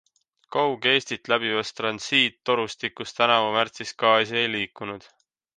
Kagu-Eestit läbivas transiittorustikus tänavu märtsis gaasi ei liikunud.